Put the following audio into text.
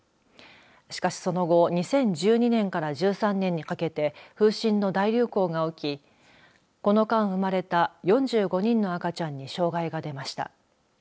しかしその後２０１２年から１３年にかけて風疹の大流行が起きこの間生まれた４５人の赤ちゃんに障害が出ました。